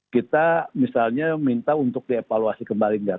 kita misalnya minta untuk dievaluasi kembali nggak